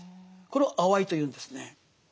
これを「あわい」というんですね。